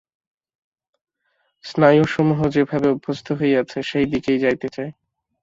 স্নায়ুসমূহ যেভাবে অভ্যস্ত হইয়াছে, সেই দিকেই যাইতে চায়।